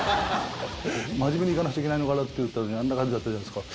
真面目にいかなくちゃいけないのかなと思ったら、あんな感じだったじゃないですか。